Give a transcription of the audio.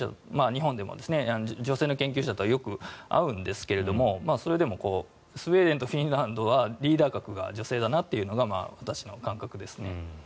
日本でも女性の研究者とはよく会うんですが、それでもスウェーデンとフィンランドはリーダー格が女性だなというのが私の感覚ですね。